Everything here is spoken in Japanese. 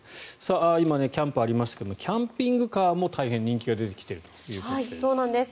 今、キャンプありましたがキャンピングカーも大変、人気が出てきているということです。